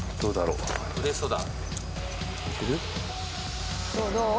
うれしそうだ。